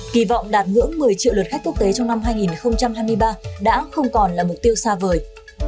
kỳ vọng đạt ngưỡng một mươi triệu lượt khách quốc tế trong năm hai nghìn hai mươi ba đã không còn là mục tiêu xa vời